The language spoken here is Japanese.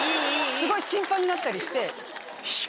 すごい心配になったりして。